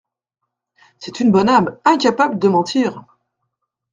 C’est une bonne âme, incapable de mentir !